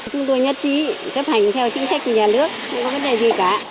chúng tôi nhất trí chấp hành theo chính sách của nhà nước không có vấn đề gì cả